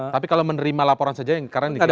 tapi kalau menerima laporan saja yang karena dikira kira